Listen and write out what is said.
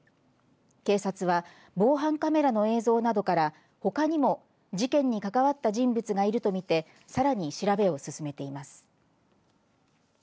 警察は防犯カメラの映像などからほかにも事件に関わった人物がいるとみてさらに調べを進めています。